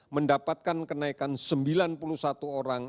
mendapatkan kenaikan sembilan puluh satu orang